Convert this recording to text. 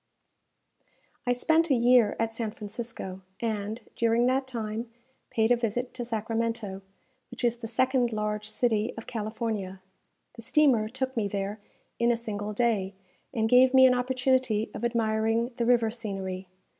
I spent a year at San Francisco, and, during that time, paid a visit to Sacramento, which is the second large city of California. The steamer took me there in a single day, and gave me an opportunity of admiring the river scenery.